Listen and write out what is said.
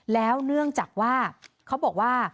แล้วเนื่องจากว่าเขาบอกว่า